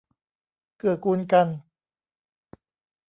เกื้อกูลกัน